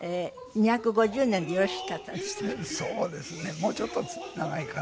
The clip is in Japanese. もうちょっと長いかな。